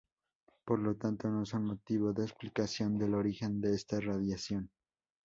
Por lo tanto, no son motivo de explicación del origen de esta radiación.